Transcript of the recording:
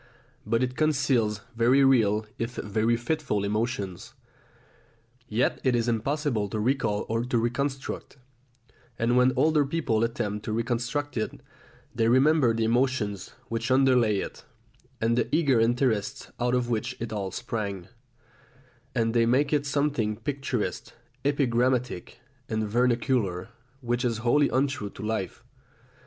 But it conceals very real if very fitful emotions; yet it is impossible to recall or to reconstruct; and when older people attempt to reconstruct it, they remember the emotions which underlay it, and the eager interests out of which it all sprang; and they make it something picturesque, epigrammatic, and vernacular which is wholly untrue to life.